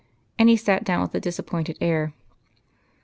And he sat down with a disappointed air.